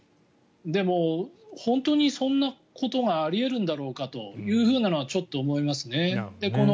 でも、本当にそんなことがあり得るんだろうかとはちょっと思いますね。